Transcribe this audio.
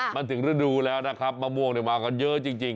มันถึงฤดูแล้วนะครับมะม่วงมากันเยอะจริง